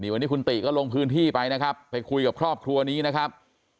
วันนี้คุณติก็ลงพื้นที่ไปนะครับไปคุยกับครอบครัวนี้นะครับ